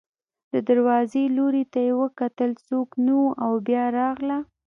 د دروازې لوري ته یې وکتل، څوک نه و او بیا راغله.